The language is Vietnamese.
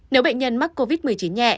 nếu bệnh nhân mắc covid một mươi chín nhẹ